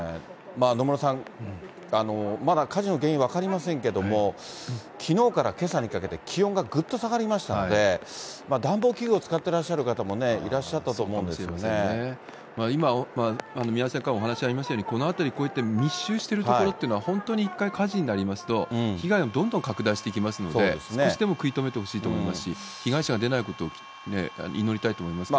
野村さん、まだ火事の原因、分かりませんけども、きのうからけさにかけて気温がぐっと下がりましたので、暖房器具を使ってらっしゃる方もいらっしゃったと思うんですけど今、宮根さんからお話がありましたように、この辺り、こういった密集している所っていうのは、本当に一回火事になりますと、被害がどんどん拡大していきますので、少しでも食い止めてほしいと思いますし、被害者が出ないことを祈りたいと思いますけどね。